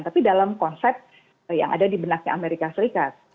tapi dalam konsep yang ada di benaknya amerika serikat